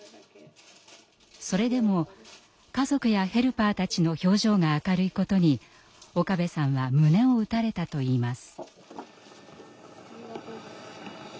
それでも家族やヘルパーたちの表情が明るいことに岡部さんは胸を打たれたといいます。